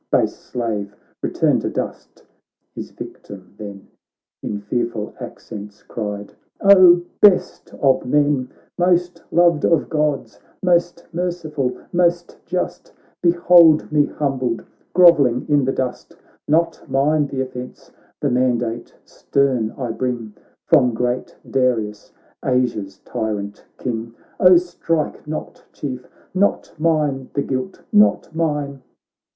Base slave, return to dust I ' His victim then In fearful accents cried :' O best of men, Most loved of Gods, most merciful, most just, Behold me humbled, grovelling in the dust : Not mine th' offence, the mandate stern I bring From great Darius, Asia's tyrant King. Oh, strike not. Chief; not mine the guilt, not mine.